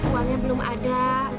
uangnya belum ada